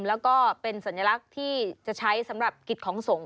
แล้วก็เป็นสัญลักษณ์ที่จะใช้สำหรับกิจของสงฆ